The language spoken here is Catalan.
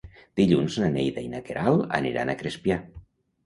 Dilluns na Neida i na Queralt aniran a Crespià.